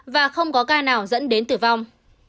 và không có ca nào dẫn đến tử vong